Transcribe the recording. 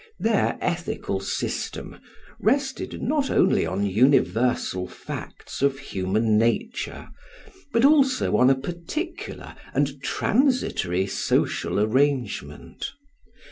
Their ethical system rested not only on universal facts of human nature, but also on a particular and transitory social arrangement.